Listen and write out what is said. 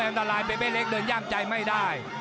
อันตรายเบเป้เล็กเดินย่ามใจไม่ได้